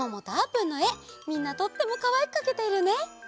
みんなとってもかわいくかけているね。